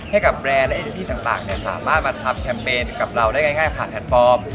ให้กับแบรนด์และอินทิศต่างสามารถมาทำแคมเปญกับเราได้ง่ายผ่านแทนฟอร์ม